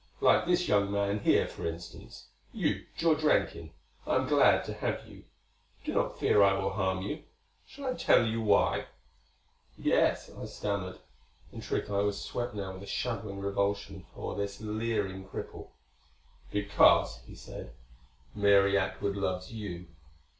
Like this young man here, for instance you. George Rankin, I am glad to have you; do not fear I will harm you. Shall I tell you why?" "Yes," I stammered. In truth I was swept now with a shuddering revulsion for this leering cripple. "Because," he said, "Mary Atwood loves you.